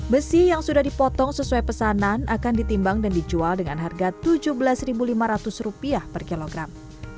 besi yang sudah dipotong sesuai pesanan akan ditimbang dan dijual dengan harga rp tujuh belas lima ratus per kilogram